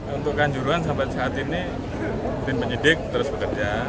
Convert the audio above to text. untuk kanjuruan sampai saat ini tim penyidik terus bekerja